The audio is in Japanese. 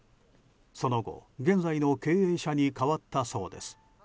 その後、現在の経営者に変わったそうです。